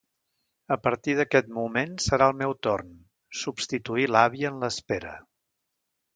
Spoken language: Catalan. A partir d'aquest moment serà el meu torn, substituir l'àvia en l'espera...